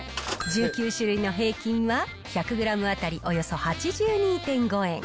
１９種類の平均は１００グラム当たりおよそ８２．５円。